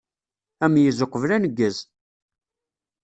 Ameyyez uqbel uneggez!